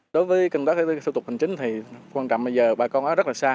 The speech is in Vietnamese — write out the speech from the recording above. đối với công tác thủ tục hành chính thì quan trọng bây giờ bà con ở rất là xa